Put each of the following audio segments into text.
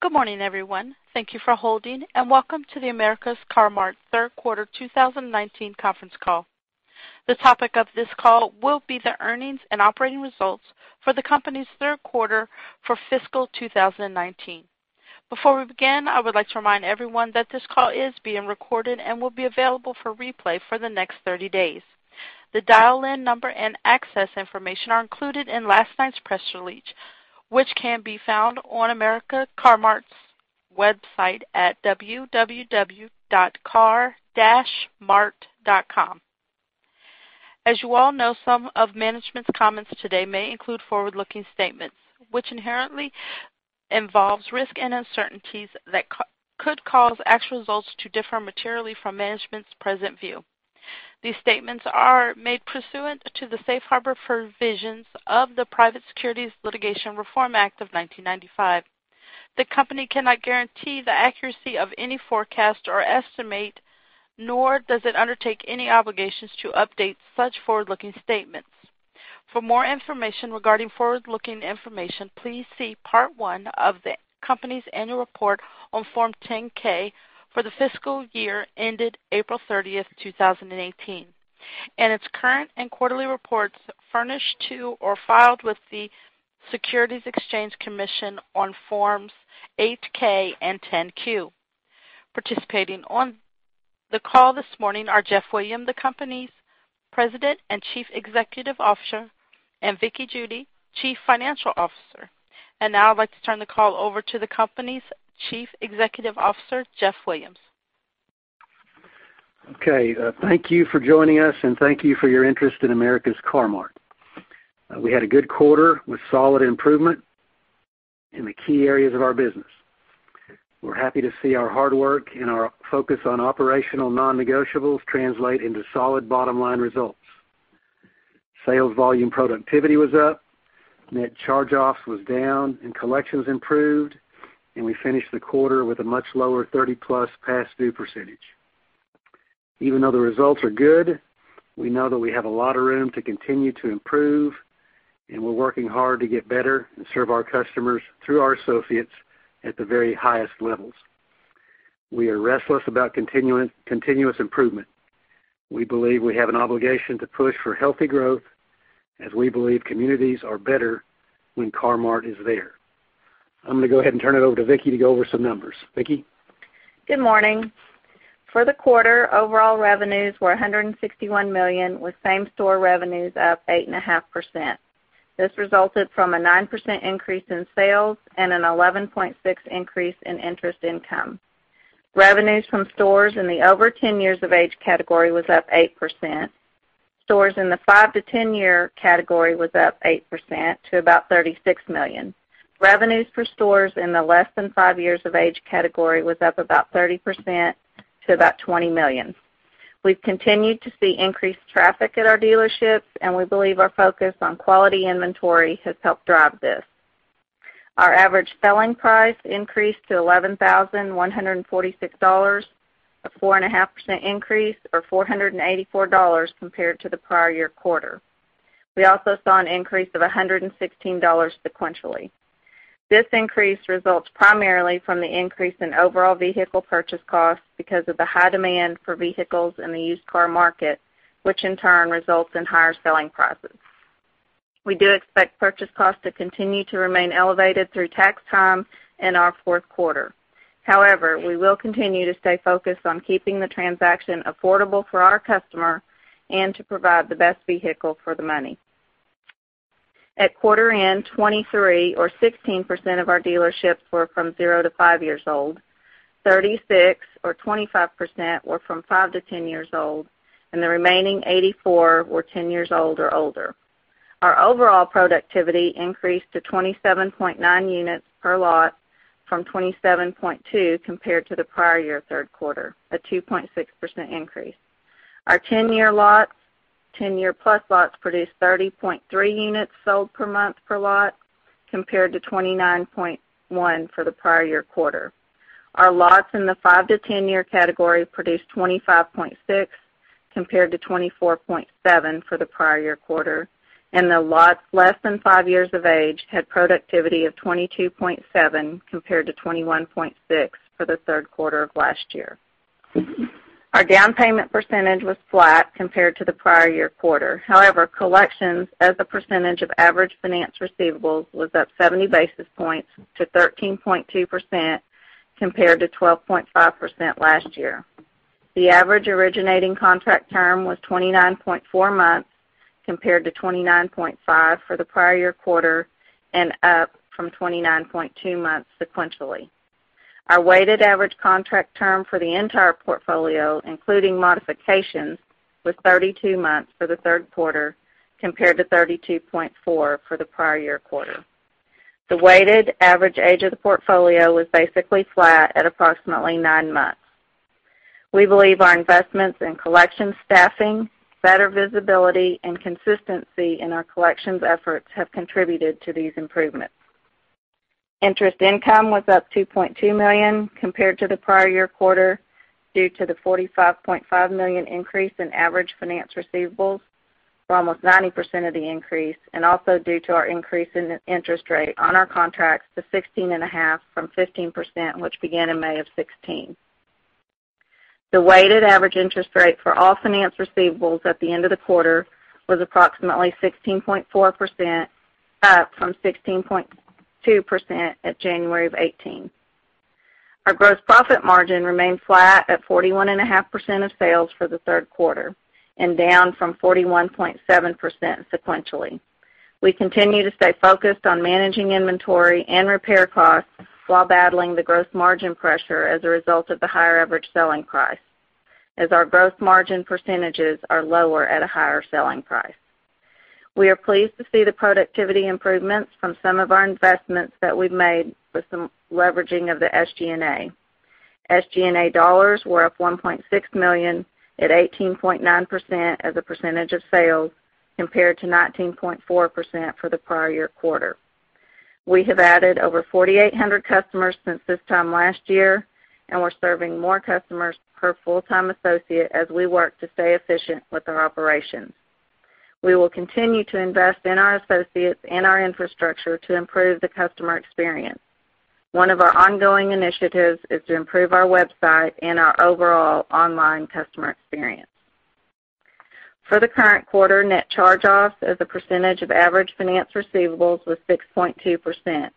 Good morning, everyone. Thank you for holding, and welcome to the America's Car-Mart Third Quarter 2019 Conference Call. The topic of this call will be the earnings and operating results for the company's third quarter for fiscal 2019. Before we begin, I would like to remind everyone that this call is being recorded and will be available for replay for the next 30 days. The dial-in number and access information are included in last night's press release, which can be found on America's Car-Mart's website at www.car-mart.com. As you all know, some of management's comments today may include forward-looking statements, which inherently involves risks and uncertainties that could cause actual results to differ materially from management's present view. These statements are made pursuant to the safe harbor provisions of the Private Securities Litigation Reform Act of 1995. The company cannot guarantee the accuracy of any forecast or estimate, nor does it undertake any obligations to update such forward-looking statements. For more information regarding forward-looking information, please see Part One of the company's annual report on Form 10-K for the fiscal year ended April 30th, 2018, and its current and quarterly reports furnished to, or filed with the Securities and Exchange Commission on Forms 8-K and 10-Q. Participating on the call this morning are Jeff Williams, the company's President and Chief Executive Officer, and Vickie Judy, Chief Financial Officer. Now I'd like to turn the call over to the company's Chief Executive Officer, Jeff Williams. Okay. Thank you for joining us, and thank you for your interest in America's Car-Mart. We had a good quarter with solid improvement in the key areas of our business. We're happy to see our hard work and our focus on operational non-negotiables translate into solid bottom-line results. Sales volume productivity was up, net charge-offs was down, and collections improved, and we finished the quarter with a much lower 30% past due percentage. Even though the results are good, we know that we have a lot of room to continue to improve, and we're working hard to get better and serve our customers through our associates at the very highest levels. We are restless about continuous improvement. We believe we have an obligation to push for healthy growth, as we believe communities are better when Car-Mart is there. I'm going to go ahead and turn it over to Vickie to go over some numbers. Vickie? Good morning. For the quarter, overall revenues were $161 million, with same-store revenues up 8.5%. This resulted from a 9% increase in sales and an 11.6 increase in interest income. Revenues from stores in the over 10 years of age category was up 8%. Stores in the five to 10 year category was up 8% to about $36 million. Revenues for stores in the less than five years of age category was up about 30% to about $20 million. We've continued to see increased traffic at our dealerships, and we believe our focus on quality inventory has helped drive this. Our average selling price increased to $11,146, a 4.5% increase, or $484 compared to the prior year quarter. We also saw an increase of $116 sequentially. This increase results primarily from the increase in overall vehicle purchase costs because of the high demand for vehicles in the used car market, which in turn results in higher selling prices. We do expect purchase costs to continue to remain elevated through tax time in our fourth quarter. We will continue to stay focused on keeping the transaction affordable for our customer and to provide the best vehicle for the money. At quarter end, 23 or 16% of our dealerships were from zero to five years old, 36 or 25% were from five to 10 years old, and the remaining 84 were 10 years old or older. Our overall productivity increased to 27.9 units per lot from 27.2 compared to the prior year third quarter, a 2.6% increase. Our 10-year+ lots produced 30.3 units sold per month per lot compared to 29.1 for the prior year quarter. Our lots in the five to 10-year category produced 25.6 compared to 24.7 for the prior year quarter, and the lots less than 5 years of age had productivity of 22.7 compared to 21.6 for the third quarter of last year. Our down payment percentage was flat compared to the prior year quarter. Collections as a percentage of average finance receivables was up 70 basis points to 13.2% compared to 12.5% last year. The average originating contract term was 29.4 months compared to 29.5 for the prior year quarter and up from 29.2 months sequentially. Our weighted average contract term for the entire portfolio, including modifications, was 32 months for the third quarter compared to 32.4 for the prior year quarter. The weighted average age of the portfolio was basically flat at approximately nine months. We believe our investments in collection staffing, better visibility, and consistency in our collections efforts have contributed to these improvements. Interest income was up $2.2 million compared to the prior year quarter due to the $45.5 million increase in average finance receivables for almost 90% of the increase, and also due to our increase in interest rate on our contracts to 16.5% from 15%, which began in May of 2016. The weighted average interest rate for all finance receivables at the end of the quarter was approximately 16.4%, up from 16.2% at January of 2018. Our gross profit margin remained flat at 41.5% of sales for the third quarter, down from 41.7% sequentially. We continue to stay focused on managing inventory and repair costs while battling the gross margin pressure as a result of the higher average selling price, as our gross margin percentages are lower at a higher selling price. We are pleased to see the productivity improvements from some of our investments that we've made with some leveraging of the SGA. SGA dollars were up $1.6 million at 18.9% as a percentage of sales, compared to 19.4% for the prior year quarter. We have added over 4,800 customers since this time last year, and we're serving more customers per full-time associate as we work to stay efficient with our operations. We will continue to invest in our associates and our infrastructure to improve the customer experience. One of our ongoing initiatives is to improve our website and our overall online customer experience. For the current quarter, net charge-offs as a percentage of average finance receivables was 6.2%,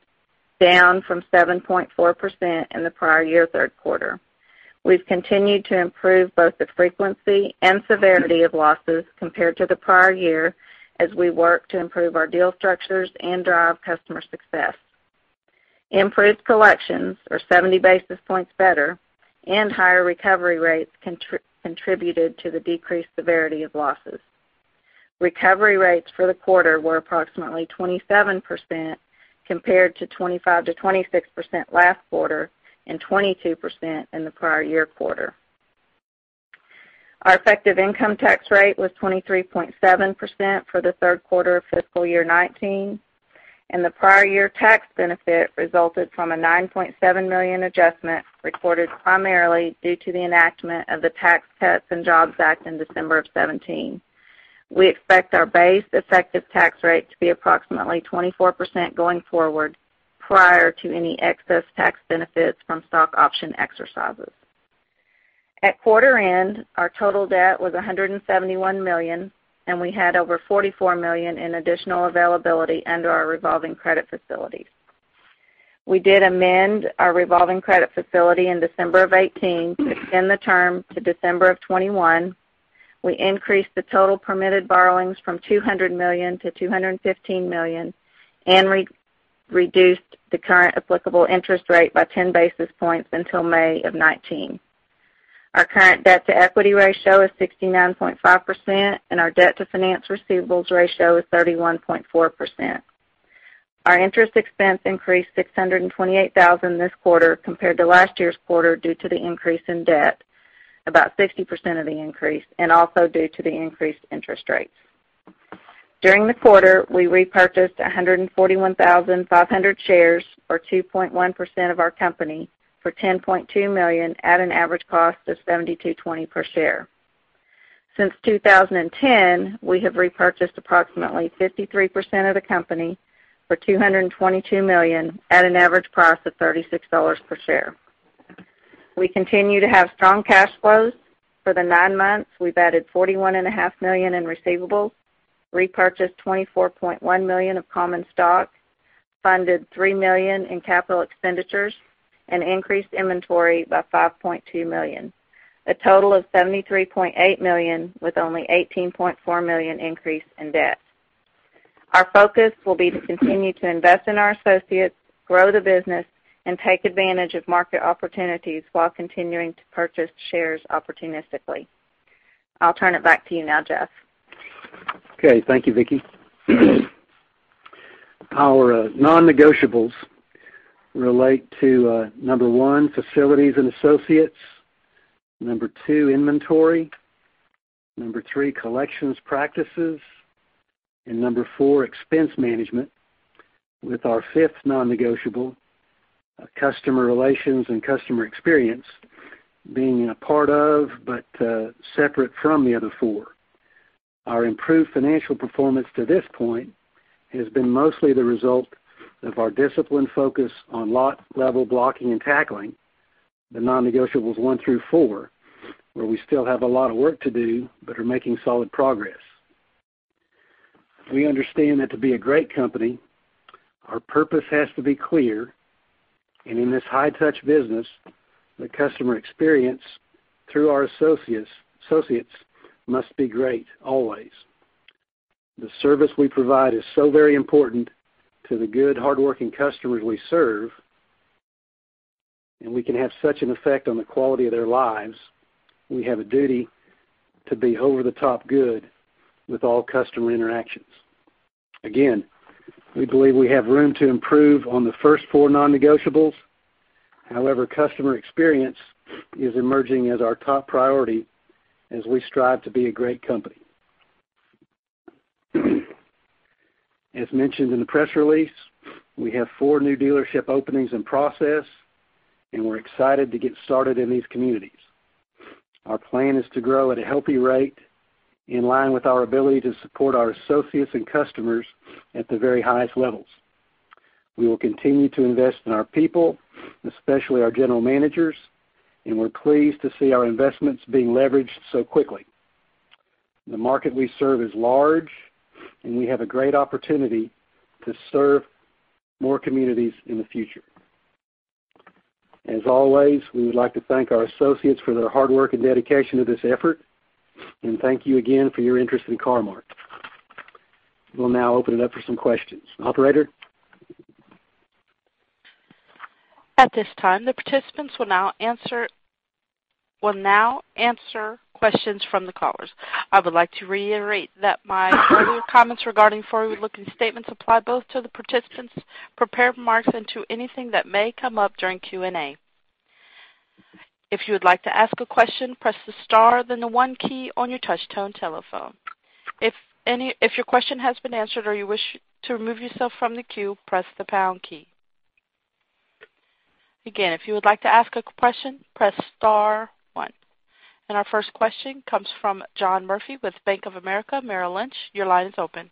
down from 7.4% in the prior year third quarter. We've continued to improve both the frequency and severity of losses compared to the prior year as we work to improve our deal structures and drive customer success. Improved collections are 70 basis points better, and higher recovery rates contributed to the decreased severity of losses. Recovery rates for the quarter were approximately 27%, compared to 25%-26% last quarter, and 22% in the prior year quarter. Our effective income tax rate was 23.7% for the third quarter of fiscal year 2019, and the prior year tax benefit resulted from a $9.7 million adjustment recorded primarily due to the enactment of the Tax Cuts and Jobs Act in December of 2017. We expect our base effective tax rate to be approximately 24% going forward, prior to any excess tax benefits from stock option exercises. At quarter end, our total debt was $171 million, and we had over $44 million in additional availability under our revolving credit facilities. We did amend our revolving credit facility in December of 2018 to extend the term to December of 2021. We increased the total permitted borrowings from $200 million to $215 million, and reduced the current applicable interest rate by 10 basis points until May of 2019. Our current debt-to-equity ratio is 69.5%, and our debt-to-finance receivables ratio is 31.4%. Our interest expense increased $628,000 this quarter compared to last year's quarter due to the increase in debt, about 60% of the increase, and also due to the increased interest rates. During the quarter, we repurchased 141,500 shares, or 2.1% of our company, for $10.2 million at an average cost of $72.20 per share. Since 2010, we have repurchased approximately 53% of the company for $222 million at an average price of $36 per share. We continue to have strong cash flows. For the nine months, we've added $41.5 million in receivables, repurchased $24.1 million of common stock, funded $3 million in capital expenditures, and increased inventory by $5.2 million, a total of $73.8 million, with only $18.4 million increase in debt. Our focus will be to continue to invest in our associates, grow the business, and take advantage of market opportunities while continuing to purchase shares opportunistically. I'll turn it back to you now, Jeff. Okay. Thank you, Vickie. Our non-negotiables relate to number one, facilities and associates, number two, inventory, number three, collections practices, and number four, expense management, with our fifth non-negotiable, customer relations and customer experience, being a part of but separate from the other four. Our improved financial performance to this point has been mostly the result of our disciplined focus on lot-level blocking and tackling, the non-negotiables one through four, where we still have a lot of work to do, but are making solid progress. We understand that to be a great company, our purpose has to be clear. In this high-touch business, the customer experience through our associates must be great always. The service we provide is so very important to the good, hardworking customers we serve, and we can have such an effect on the quality of their lives. We have a duty to be over-the-top good with all customer interactions. Again, we believe we have room to improve on the first four non-negotiables. However, customer experience is emerging as our top priority as we strive to be a great company. As mentioned in the press release, we have four new dealership openings in process. We're excited to get started in these communities. Our plan is to grow at a healthy rate, in line with our ability to support our associates and customers at the very highest levels. We will continue to invest in our people, especially our general managers. We're pleased to see our investments being leveraged so quickly. The market we serve is large. We have a great opportunity to serve more communities in the future. As always, we would like to thank our associates for their hard work and dedication to this effort. Thank you again for your interest in Car-Mart. We'll now open it up for some questions. Operator? At this time, the participants will now answer questions from the callers. I would like to reiterate that my earlier comments regarding forward-looking statements apply both to the participants' prepared remarks and to anything that may come up during Q&A. If you would like to ask a question, press the star, then the one key on your touch-tone telephone. If your question has been answered or you wish to remove yourself from the queue, press the pound key. Again, if you would like to ask a question, press star one. Our first question comes from John Murphy with Bank of America Merrill Lynch. Your line is open.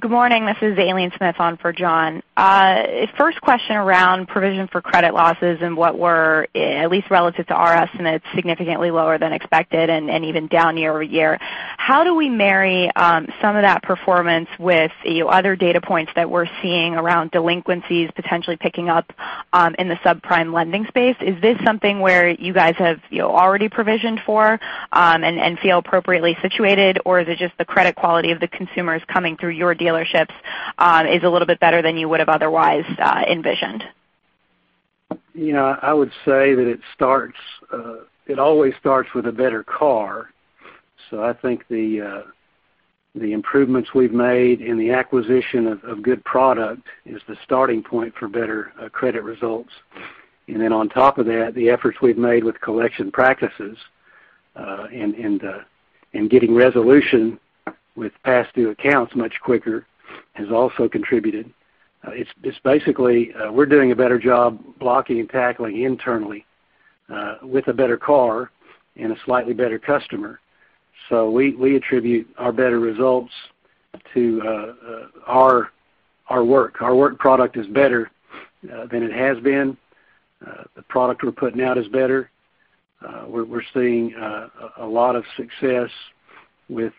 Good morning. This is Aileen Smith on for John. First question around provision for credit losses and what were, at least relative to our estimate, significantly lower than expected and even down year-over-year. How do we marry some of that performance with other data points that we're seeing around delinquencies potentially picking up in the subprime lending space? Is this something where you guys have already provisioned for and feel appropriately situated, or is it just the credit quality of the consumers coming through your dealerships is a little bit better than you would have otherwise envisioned? I would say that it always starts with a better car. I think the improvements we've made in the acquisition of good product is the starting point for better credit results. On top of that, the efforts we've made with collection practices, and getting resolution with past due accounts much quicker has also contributed. It's basically, we're doing a better job blocking and tackling internally, with a better car and a slightly better customer. We attribute our better results to our work. Our work product is better than it has been. The product we're putting out is better. We're seeing a lot of success with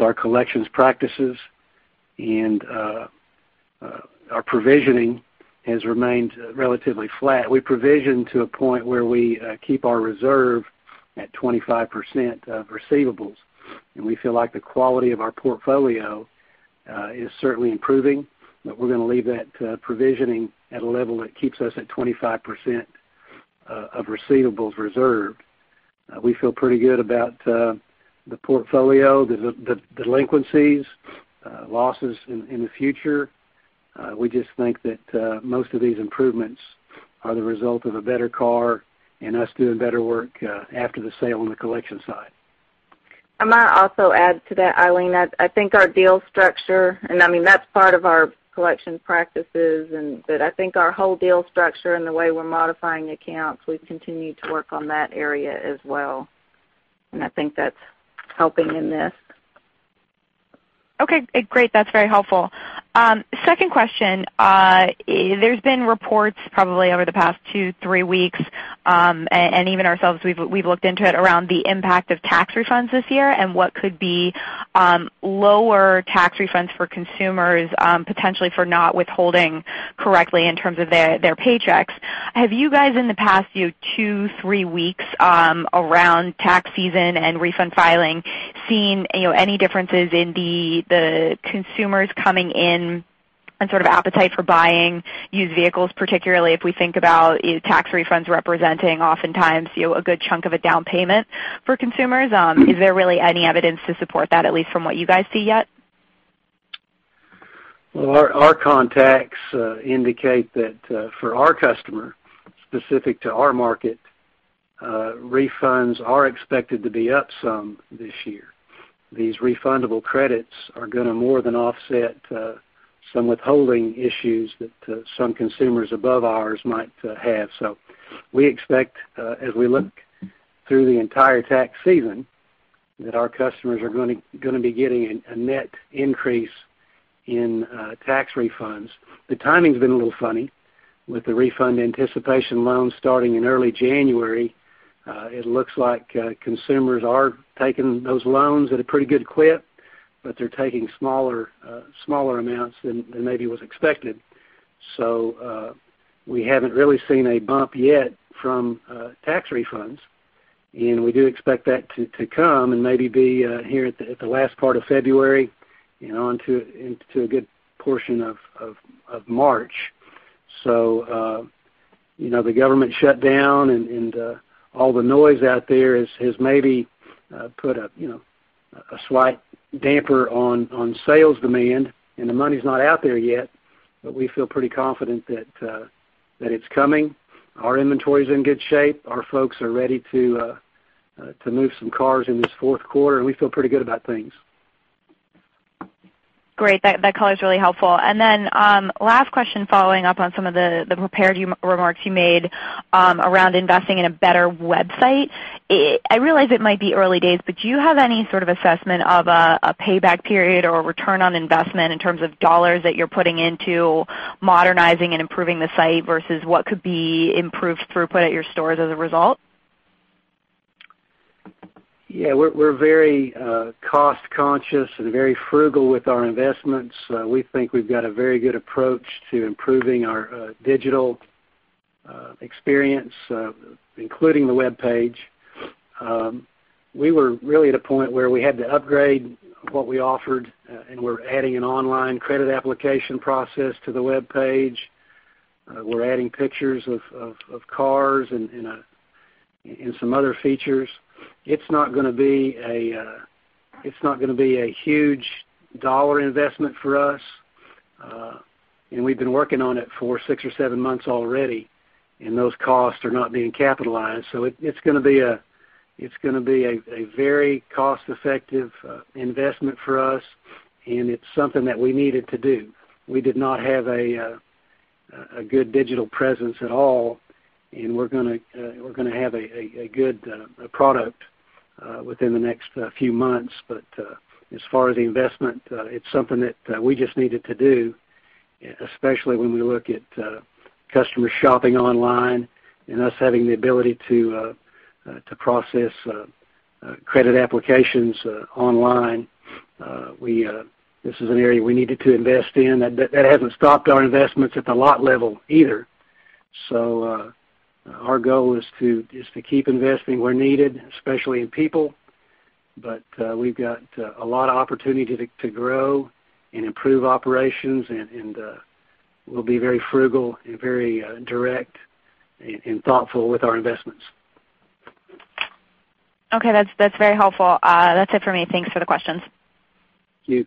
our collections practices, and our provisioning has remained relatively flat. We provision to a point where we keep our reserve at 25% of receivables. We feel like the quality of our portfolio is certainly improving, but we're going to leave that provisioning at a level that keeps us at 25% of receivables reserved. We feel pretty good about the portfolio, the delinquencies, losses in the future. We just think that most of these improvements are the result of a better car and us doing better work after the sale on the collection side. I might also add to that, Aileen. I think our deal structure, that's part of our collection practices, I think our whole deal structure and the way we're modifying accounts, we've continued to work on that area as well, I think that's helping in this. Okay, great. That's very helpful. Second question. There's been reports probably over the past two, three weeks, and even ourselves, we've looked into it around the impact of tax refunds this year and what could be lower tax refunds for consumers, potentially for not withholding correctly in terms of their paychecks. Have you guys in the past two, three weeks around tax season and refund filing, seen any differences in the consumers coming in and sort of appetite for buying used vehicles, particularly if we think about tax refunds representing oftentimes, a good chunk of a down payment for consumers? Is there really any evidence to support that, at least from what you guys see yet? Well, our contacts indicate that for our customer, specific to our market, refunds are expected to be up some this year. These refundable credits are going to more than offset some withholding issues that some consumers above ours might have. We expect, as we look through the entire tax season, that our customers are going to be getting a net increase in tax refunds. The timing's been a little funny with the Refund Anticipation Loans starting in early January. It looks like consumers are taking those loans at a pretty good clip, but they're taking smaller amounts than maybe was expected. We haven't really seen a bump yet from tax refunds, and we do expect that to come and maybe be here at the last part of February and into a good portion of March. The government shutdown and all the noise out there has maybe put a slight damper on sales demand, and the money's not out there yet, but we feel pretty confident that it's coming. Our inventory's in good shape. Our folks are ready to move some cars in this fourth quarter, and we feel pretty good about things. Great. That color is really helpful. Last question following up on some of the prepared remarks you made around investing in a better website. I realize it might be early days, but do you have any sort of assessment of a payback period or return on investment in terms of dollars that you're putting into modernizing and improving the site versus what could be improved throughput at your stores as a result? Yeah, we're very cost-conscious and very frugal with our investments. We think we've got a very good approach to improving our digital experience, including the webpage. We were really at a point where we had to upgrade what we offered. We're adding an online credit application process to the webpage. We're adding pictures of cars and some other features. It's not going to be a huge dollar investment for us. We've been working on it for six or seven months already, and those costs are not being capitalized. It's going to be a very cost-effective investment for us, and it's something that we needed to do. We did not have a good digital presence at all. We're going to have a good product within the next few months. As far as the investment, it's something that we just needed to do, especially when we look at customer shopping online and us having the ability to process credit applications online. This is an area we needed to invest in. That hasn't stopped our investments at the lot level either. Our goal is to keep investing where needed, especially in people. We've got a lot of opportunity to grow and improve operations. We'll be very frugal and very direct and thoughtful with our investments. Okay. That's very helpful. That's it for me. Thanks for the questions. Thank you.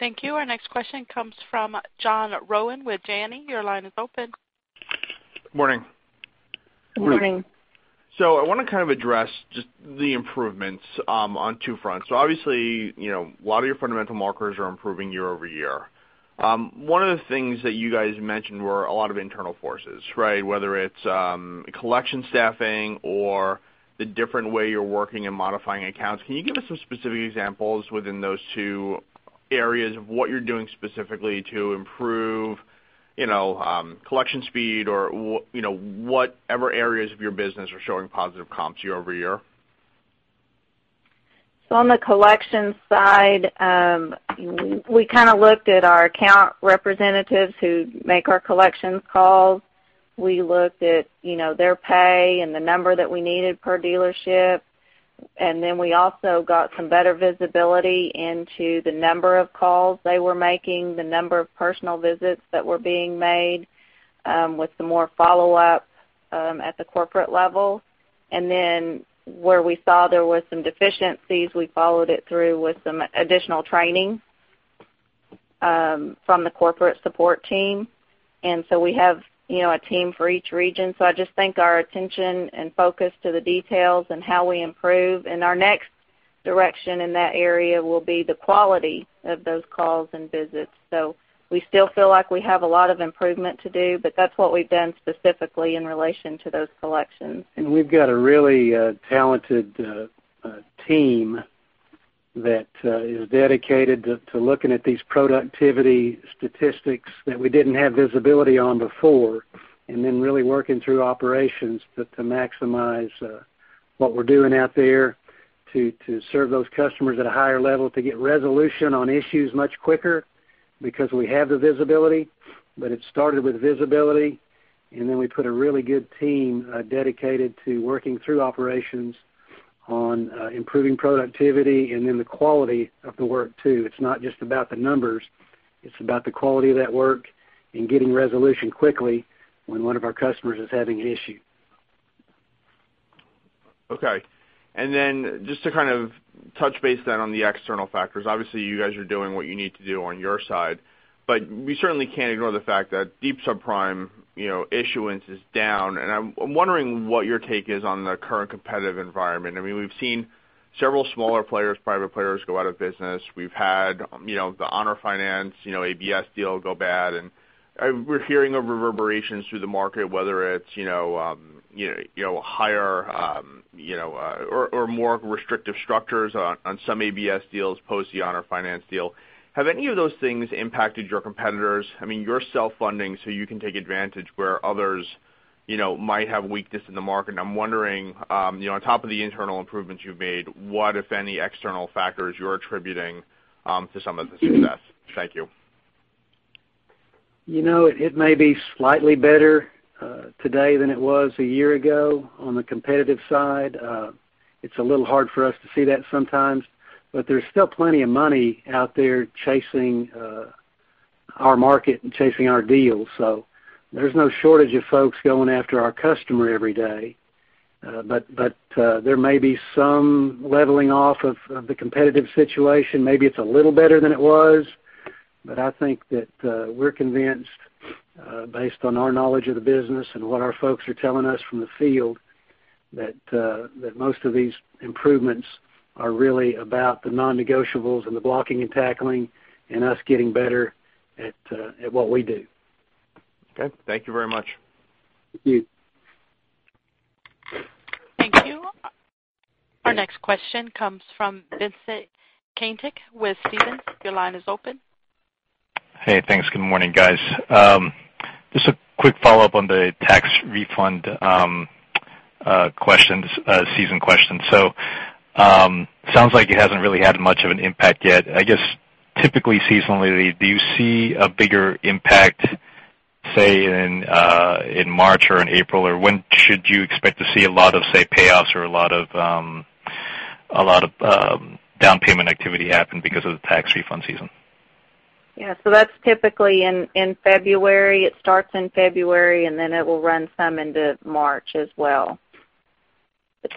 Thank you. Our next question comes from John Rowan with Janney. Your line is open. Morning. Good morning. I want to kind of address just the improvements on two fronts. Obviously, a lot of your fundamental markers are improving year-over-year. One of the things that you guys mentioned were a lot of internal forces, right? Whether it's collection staffing or the different way you're working and modifying accounts. Can you give us some specific examples within those two areas of what you're doing specifically to improve collection speed or whatever areas of your business are showing positive comps year-over-year? On the collection side, we kind of looked at our account representatives who make our collections calls. We looked at their pay and the number that we needed per dealership. We also got some better visibility into the number of calls they were making, the number of personal visits that were being made with some more follow-up at the corporate level. Where we saw there was some deficiencies, we followed it through with some additional training from the corporate support team. We have a team for each region. I just think our attention and focus to the details and how we improve, and our next direction in that area will be the quality of those calls and visits. We still feel like we have a lot of improvement to do, but that's what we've done specifically in relation to those collections. We've got a really talented team that is dedicated to looking at these productivity statistics that we didn't have visibility on before, really working through operations to maximize what we're doing out there to serve those customers at a higher level, to get resolution on issues much quicker because we have the visibility. It started with visibility, we put a really good team dedicated to working through operations on improving productivity and the quality of the work, too. It's not just about the numbers. It's about the quality of that work and getting resolution quickly when one of our customers is having an issue. Okay. Just to kind of touch base then on the external factors. Obviously, you guys are doing what you need to do on your side, we certainly can't ignore the fact that deep subprime issuance is down, I'm wondering what your take is on the current competitive environment. We've seen several smaller players, private players go out of business. We've had the Honor Finance ABS deal go bad, we're hearing the reverberations through the market, whether it's higher or more restrictive structures on some ABS deals post the Honor Finance deal. Have any of those things impacted your competitors? You're self-funding, so you can take advantage where others might have weakness in the market. I'm wondering, on top of the internal improvements you've made, what, if any, external factors you're attributing to some of the success. Thank you. It may be slightly better today than it was a year ago on the competitive side. It's a little hard for us to see that sometimes, there's still plenty of money out there chasing our market and chasing our deals. There's no shortage of folks going after our customer every day. There may be some leveling off of the competitive situation. Maybe it's a little better than it was. I think that we're convinced, based on our knowledge of the business and what our folks are telling us from the field, that most of these improvements are really about the non-negotiables and the blocking and tackling and us getting better at what we do. Okay. Thank you very much. Thank you. Thank you. Our next question comes from Vincent Caintic with Stephens. Your line is open. Hey, thanks. Good morning, guys. Just a quick follow-up on the tax refund season question. Sounds like it hasn't really had much of an impact yet. I guess, typically seasonally, do you see a bigger impact, say, in March or in April? Or when should you expect to see a lot of, say, payoffs or a lot of down payment activity happen because of the tax refund season? Yeah. That's typically in February. It starts in February, and then it will run some into March as well.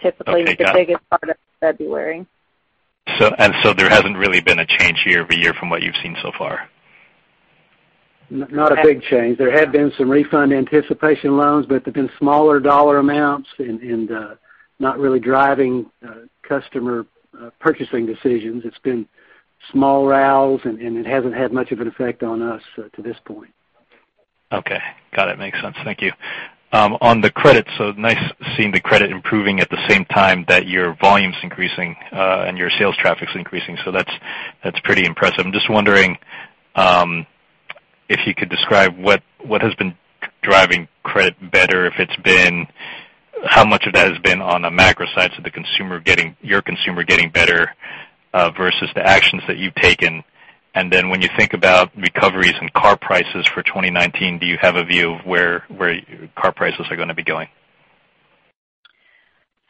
Typically, the biggest part is February. There hasn't really been a change year-over-year from what you've seen so far? Not a big change. There have been some Refund Anticipation Loans, but they've been smaller dollar amounts and not really driving customer purchasing decisions. It's been small RALs, and it hasn't had much of an effect on us to this point. Okay. Got it. Makes sense. Thank you. On the credit, nice seeing the credit improving at the same time that your volume's increasing, your sales traffic's increasing. That's pretty impressive. I'm just wondering, if you could describe what has been driving credit better, how much of that has been on the macro side, so your consumer getting better, versus the actions that you've taken. When you think about recoveries and car prices for 2019, do you have a view of where car prices are going to be going?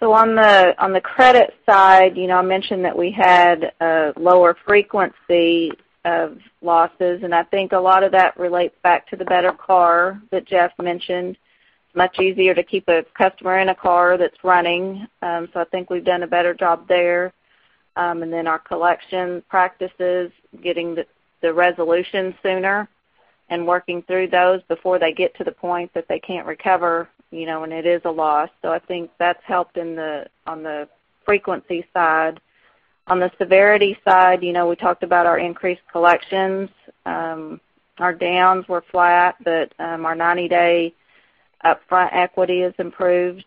On the credit side, I mentioned that we had a lower frequency of losses, I think a lot of that relates back to the better car that Jeff mentioned. Much easier to keep a customer in a car that's running. I think we've done a better job there. Our collection practices, getting the resolution sooner and working through those before they get to the point that they can't recover, and it is a loss. I think that's helped on the frequency side. On the severity side, we talked about our increased collections. Our downs were flat, but our 90-day upfront equity has improved.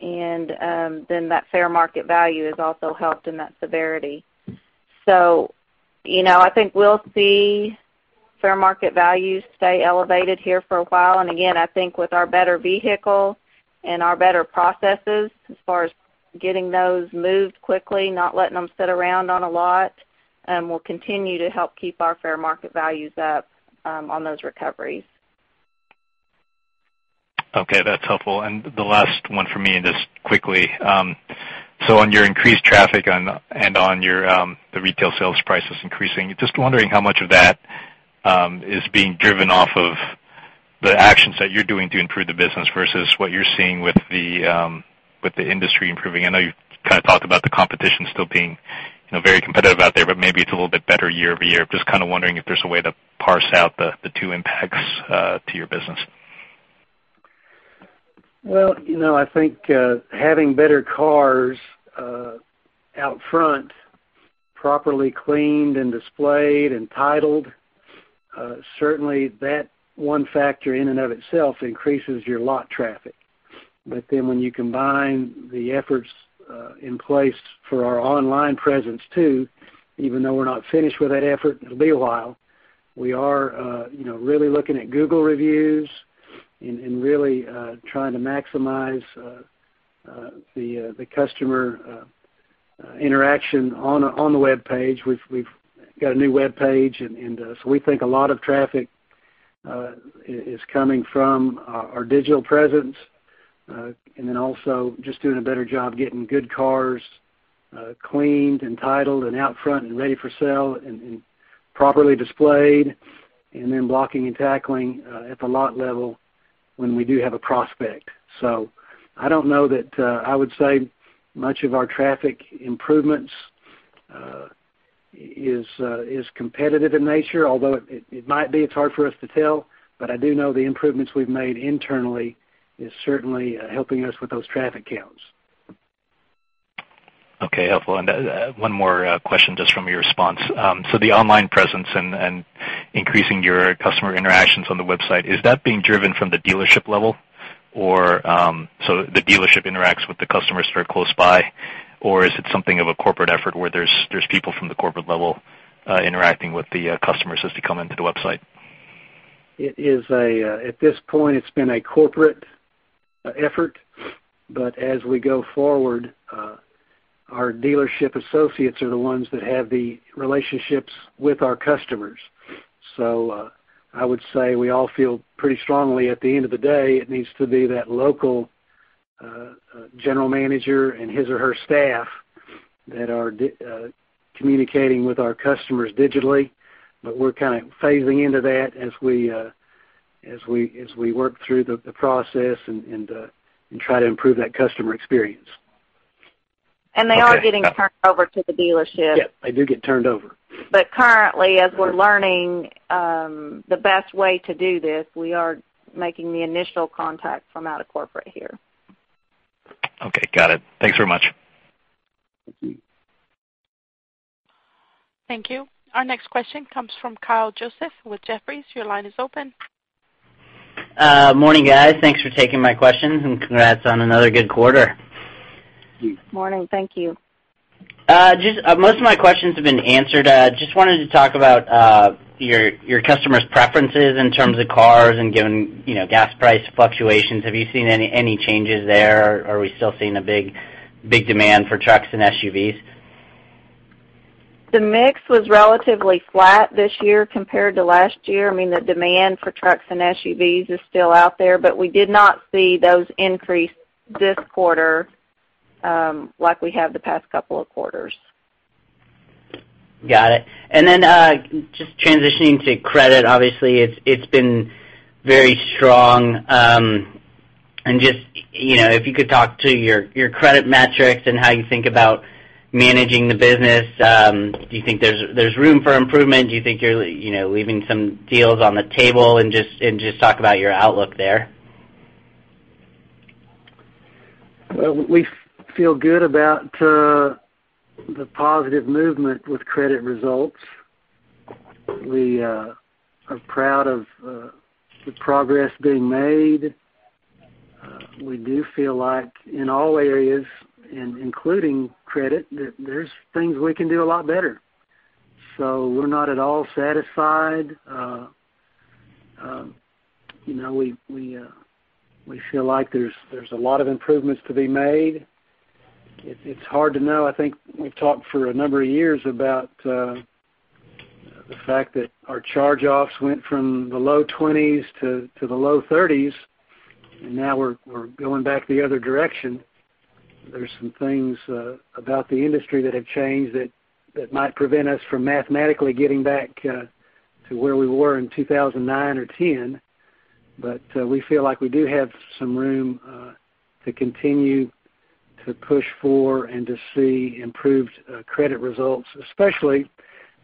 That fair market value has also helped in that severity. I think we'll see fair market values stay elevated here for a while. Again, I think with our better vehicle and our better processes as far as getting those moved quickly, not letting them sit around on a lot, will continue to help keep our fair market values up on those recoveries. Okay, that's helpful. The last one from me, just quickly. On your increased traffic and on the retail sales prices increasing, just wondering how much of that is being driven off of the actions that you're doing to improve the business versus what you're seeing with the industry improving. I know you've kind of talked about the competition still being very competitive out there, maybe it's a little bit better year-over-year. Just kind of wondering if there's a way to parse out the two impacts to your business. Well, I think having better cars out front, properly cleaned and displayed and titled, certainly that one factor in and of itself increases your lot traffic. When you combine the efforts in place for our online presence, too, even though we're not finished with that effort, and it'll be a while, we are really looking at Google reviews and really trying to maximize the customer interaction on the webpage. We've got a new webpage, we think a lot of traffic is coming from our digital presence. Also just doing a better job getting good cars cleaned and titled and out front and ready for sale and properly displayed, and then blocking and tackling at the lot level when we do have a prospect. I don't know that I would say much of our traffic improvements is competitive in nature, although it might be. It's hard for us to tell. I do know the improvements we've made internally is certainly helping us with those traffic counts. Okay, helpful. One more question just from your response. The online presence and increasing your customer interactions on the website, is that being driven from the dealership level, so the dealership interacts with the customers who are close by, or is it something of a corporate effort where there's people from the corporate level interacting with the customers as they come into the website? At this point, it's been a corporate effort, as we go forward, our dealership associates are the ones that have the relationships with our customers. I would say we all feel pretty strongly at the end of the day, it needs to be that local general manager and his or her staff that are communicating with our customers digitally. We're kind of phasing into that as we work through the process and try to improve that customer experience. They are getting turned over to the dealership. Yeah, they do get turned over. Currently, as we're learning the best way to do this, we are making the initial contact from out of corporate here. Okay. Got it. Thanks very much. Thank you. Thank you. Our next question comes from Kyle Joseph with Jefferies. Your line is open. Morning, guys. Thanks for taking my questions, and congrats on another good quarter. Thank you. Morning. Thank you. Most of my questions have been answered. Just wanted to talk about your customers' preferences in terms of cars. Given gas price fluctuations, have you seen any changes there, or are we still seeing a big demand for trucks and SUVs? The mix was relatively flat this year compared to last year. We did not see those increase this quarter like we have the past couple of quarters. Got it. Then just transitioning to credit, obviously, it's been very strong. If you could talk to your credit metrics and how you think about managing the business. Do you think there's room for improvement? Do you think you're leaving some deals on the table? Just talk about your outlook there. Well, we feel good about the positive movement with credit results. We are proud of the progress being made. We do feel like in all areas, including credit, that there is things we can do a lot better. We are not at all satisfied. We feel like there is a lot of improvements to be made. It is hard to know. I think we've talked for a number of years about the fact that our charge-offs went from the low 20% to the low 30%, and now we are going back the other direction. There is some things about the industry that have changed that might prevent us from mathematically getting back to where we were in 2009 or 2010. We feel like we do have some room to continue to push for and to see improved credit results, especially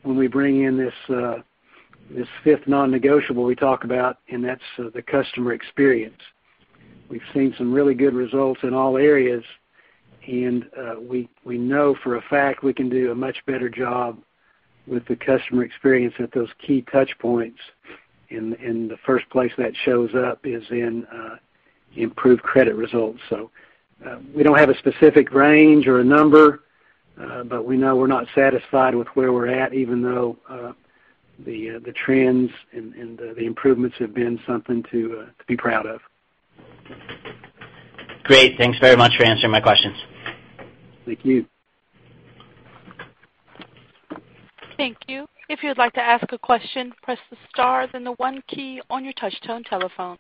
when we bring in this fifth non-negotiable we talk about, and that is the customer experience. We've seen some really good results in all areas, and we know for a fact we can do a much better job with the customer experience at those key touch points, and the first place that shows up is in improved credit results. We do not have a specific range or a number, but we know we are not satisfied with where we are at, even though the trends and the improvements have been something to be proud of. Great. Thanks very much for answering my questions. Thank you. Thank you. If you would like to ask a question, press the star then the one key on your touch-tone telephone.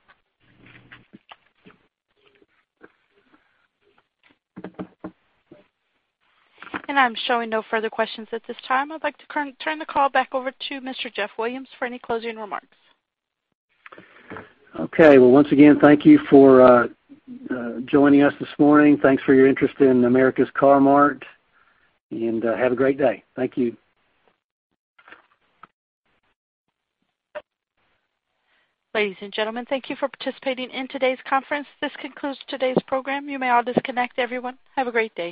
I'm showing no further questions at this time. I'd like to turn the call back over to Mr. Jeff Williams for any closing remarks. Okay. Well, once again, thank you for joining us this morning. Thanks for your interest in America's Car-Mart, and have a great day. Thank you. Ladies and gentlemen, thank you for participating in today's conference. This concludes today's program. You may all disconnect, everyone. Have a great day.